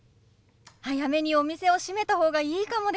早めにお店を閉めた方がいいかもです。